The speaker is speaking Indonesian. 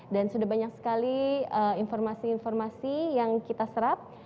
dan sudah banyak sekali informasi informasi yang kita serap